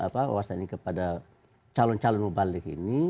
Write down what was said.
wawasan ini kepada calon calon mubalik ini